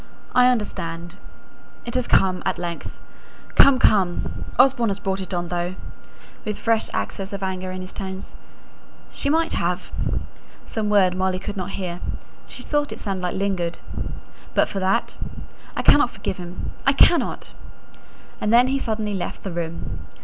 I understand. It has come at length. Come! come! Osborne has brought it on, though," with a fresh access of anger in his tones. "She might have" (some word Molly could not hear she thought it sounded like "lingered") "but for that. I can't forgive him; I cannot." And then he suddenly left the room.